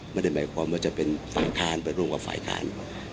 ไม่ได้หมายความว่าจะเป็นฝ่ายค้านไปร่วมกับฝ่ายค้าน